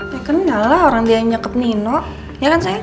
ya kenal lah orang dia nyekap nino ya kan sayang